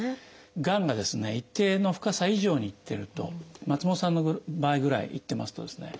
がんがですね一定の深さ以上にいってると松本さんの場合ぐらいいってますとですね